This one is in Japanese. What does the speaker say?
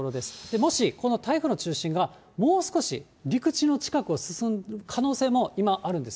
もしこの台風の中心がもう少し陸地の近くを進む可能性も、今、あるんです。